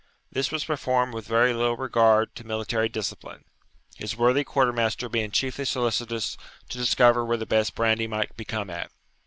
This was performed with very little regard to military discipline, his worthy quarter master being chiefly solicitous to discover where the best brandy might be come at.